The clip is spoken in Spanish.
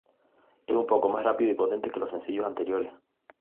Es un poco más rápido y potente que los sencillos anteriores.